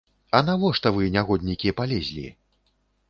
А навошта вы, нягоднікі, палезлі?